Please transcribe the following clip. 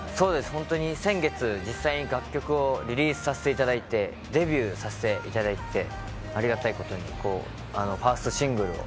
先月、実際に楽曲をリリースさせていただいてデビューさせていただいて、ありがたいことにファーストシングルを。